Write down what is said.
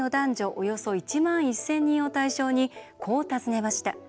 およそ１万１０００人を対象にこう尋ねました。